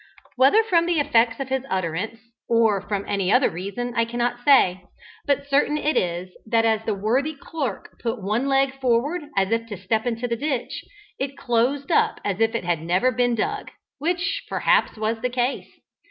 Whether from the effects of his utterance, or from any other reason, I cannot say, but certain it is that as the worthy clerk put one leg forward as if to step into the ditch, it closed up as if it had never been dug, which perhaps was the case.